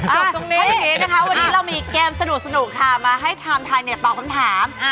จบตรงนี้นะคะวันนี้เรามีเกมสนุกค่ะมาให้ถามถ่ายเนี่ยตอบคำถาม